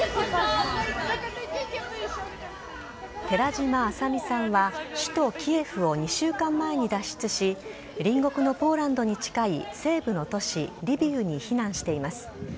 寺島朝海さんは、首都キエフを２週間前に脱出し、隣国のポーランドに近い西部の都市、リビウに避難しています。